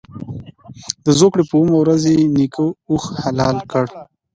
د زوکړ ې په اوومه ورځ یې نیکه اوښ حلال کړ.